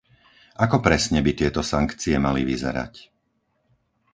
Ako presne by tieto sankcie mali vyzerať?